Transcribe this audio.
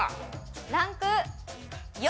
ランク４。